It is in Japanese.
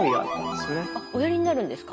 あおやりになるんですか？